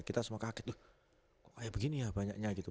kita semua kaget loh kayak begini ya banyaknya gitu